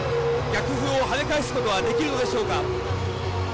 逆風を跳ね返すことはできるのでしょうか。